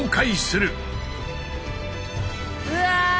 うわ！